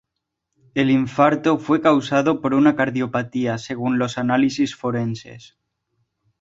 El infarto fue causado por una cardiopatía, según los análisis forenses.